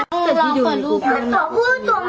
นี่เห็นจริงตอนนี้ต้องซื้อ๖วัน